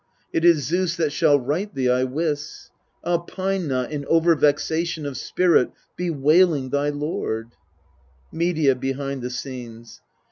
It is Zeus that shall right thee, I wis. Ah, pine not in over vexation Of spirit, bewailing thy lord ! Medea (behind the scenes).